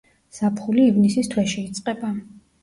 ზაფხული ივნისის თვეში იწყება.